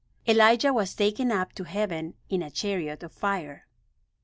Elijah was taken up to heaven in a chariot of fire.